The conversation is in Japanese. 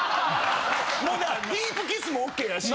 もうなディープキスもＯＫやし。